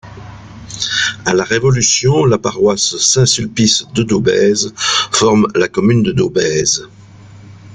À la Révolution, la paroisse Saint-Sulpice de Daubèze forme la commune de Daubèze.